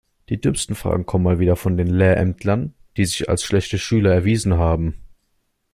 Die dümmsten Fragen kommen mal wieder von den Lehrämtlern, die sich als schlechte Schüler erwiesen haben.